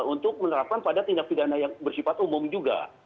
untuk menerapkan pada tindak pidana yang bersifat umum juga